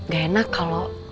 gak enak kalau